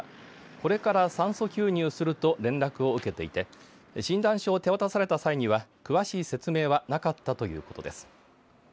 これから酸素吸入すると連絡を受けていて診断書を手渡された際には詳しい説明はなかったということです。